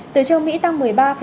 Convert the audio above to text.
từ châu mỹ tăng một mươi ba ba